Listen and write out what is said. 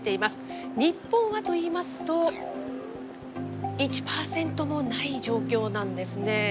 日本はといいますと１％もない状況なんですね。